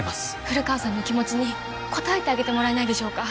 古川さんの気持ちに応えてあげてもらえないでしょうか